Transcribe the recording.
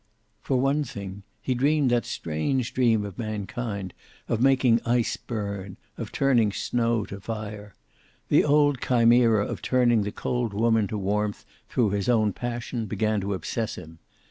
For one thing, he dreamed that strange dream of mankind, of making ice burn, of turning snow to fire. The old chimera of turning the cold woman to warmth through his own passion began to obsess him.